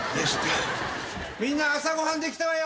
みんな朝ご飯できたわよ！